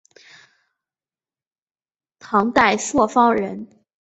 唐代朔方人。